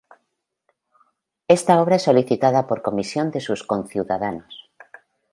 Esta obra es solicitada por comisión de sus conciudadanos.